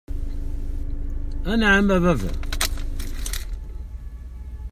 Anɛam, a baba.